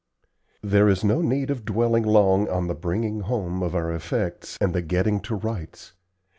There is no need of dwelling long on the bringing home of our effects and the getting to rights.